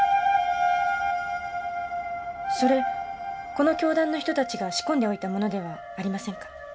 それこの教団の人たちが仕込んでおいたものではありませんか？